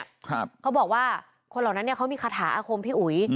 เขาบอกว่าคนเหล่านั้นเนี้ยเขามีคาถาอาคมพี่อุ๋ย